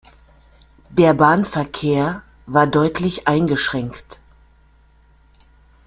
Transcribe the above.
Der Bahnverkehr war deutlich eingeschränkt.